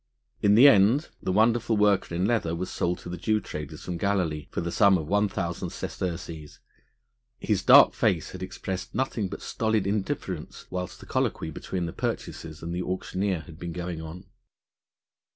In the end the wonderful worker in leather was sold to the Jew traders from Galilee for the sum of one thousand sesterces; his dark face had expressed nothing but stolid indifference whilst the colloquy between the purchasers and the auctioneer had been going on.